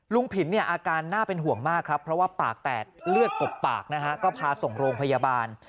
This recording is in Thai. ผินเนี่ยอาการน่าเป็นห่วงมากครับเพราะว่าปากแตกเลือดกบปากนะฮะก็พาส่งโรงพยาบาล